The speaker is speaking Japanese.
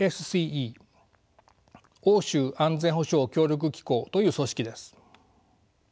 欧州安全保障協力機構という組織です。